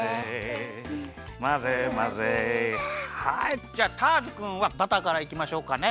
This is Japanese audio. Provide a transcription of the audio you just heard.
はいじゃあターズくんはバターからいきましょうかね。